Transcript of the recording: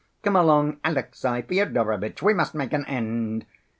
Come along, Alexey Fyodorovitch, we must make an end."